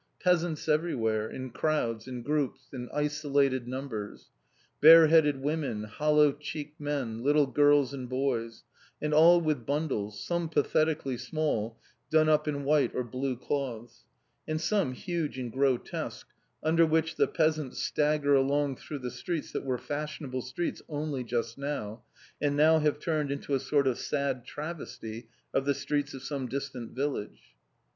Peasants everywhere, in crowds, in groups, in isolated numbers. Bareheaded women, hollow cheeked men, little girls and boys, and all with bundles, some pathetically small, done up in white or blue cloths, and some huge and grotesque, under which the peasants stagger along through the streets that were fashionable streets only just now, and now have turned into a sort of sad travesty of the streets of some distant village.